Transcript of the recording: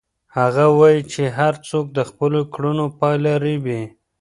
هغه وایي چې هر څوک د خپلو کړنو پایله رېبي.